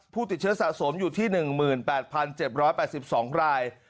ผู้ติดเชื้อสะสมอยู่ที่๑๘๗๘๒ราย